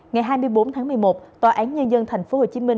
ngày hai mươi bốn tháng một mươi một tòa án nhân dân tp hcm